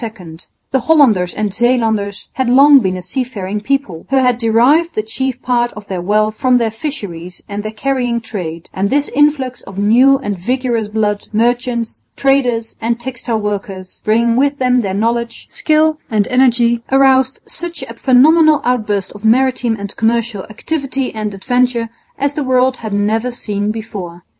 The Hollanders and Zeelanders had long been a seafaring people, who had derived the chief part of their wealth from their fisheries and their carrying trade; and this influx of new and vigorous blood, merchants, traders, and textile workers, bringing with them their knowledge, skill and energy, aroused such a phenomenal outburst of maritime and commercial activity and adventure as the world had never seen before.